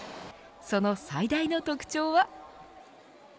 その最大の特徴は。